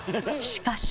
しかし。